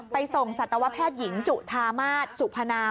ส่งสัตวแพทย์หญิงจุธามาศสุพนาม